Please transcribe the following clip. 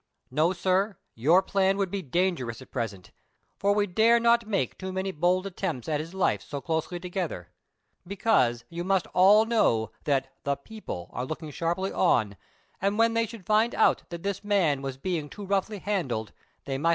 " No, sir ; your plan would be dangerous at present, for we dare not make too many bold attempts at his life so closely together ; because, you must all know that the peo ple are looking sharply on, and when they should find out that this man was being too roughly handled, they might THE CONSPIRATORS AND LOVERS.